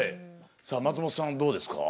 さあ松本さんどうですか？